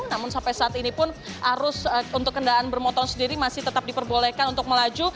namun sampai saat ini pun arus untuk kendaraan bermotor sendiri masih tetap diperbolehkan untuk melaju